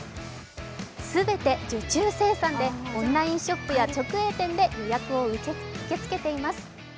全て受注生産でオンラインショップや直営店で予約を受け付けています。